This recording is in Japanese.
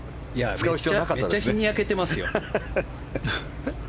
めっちゃ日に焼けてますよ。